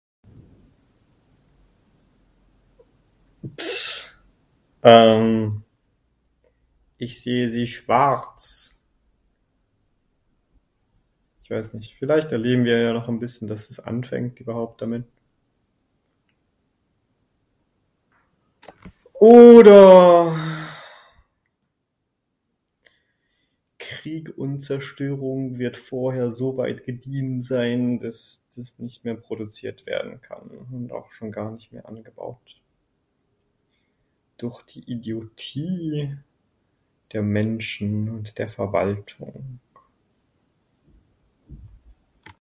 Tss, ehm ich sehe Sie schwarz. Ich weiß nicht vielleicht erleben wir ja noch ein bisschen das es anfängt überhaupt damit. Oder ... Krieg und Zerstörung wird vorher so weit getrieben sein, das das nicht mehr produziert werden kann [unintelligible] durch die Idiotie der Menschen und der Verwaltung.